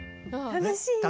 楽しいね。